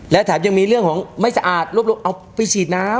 และแถมยังมีเรื่องของไม่สะอาดรวบรวมเอาไปฉีดน้ำ